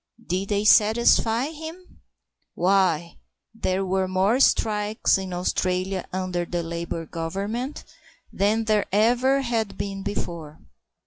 Did they satisfy him? Why, there were more strikes in Australia under the Labour Government than there ever had been before."